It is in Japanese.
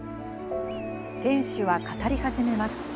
店主は語り始めます。